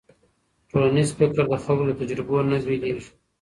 ټولنیز فکر د خلکو له تجربو نه بېلېږي.